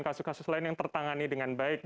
kasus kasus lain yang tertangani dengan baik